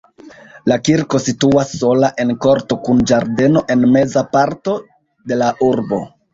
La kirko situas sola en korto kun ĝardeno en meza parto de la urbo.